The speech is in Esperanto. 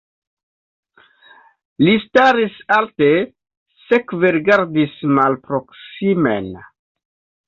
Li staris alte, sekve rigardis malproksimen.